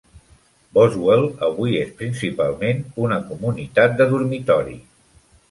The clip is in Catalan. Boswell avui és principalment una comunitat de dormitori.